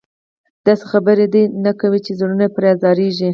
داسې خبره دې نه کوي چې زړونه پرې ازارېږي.